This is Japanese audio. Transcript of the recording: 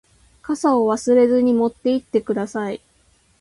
傘を忘れずに持って行ってください。